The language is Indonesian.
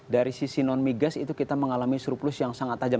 dari sisi non migas itu kita mengalami surplus yang sangat tajam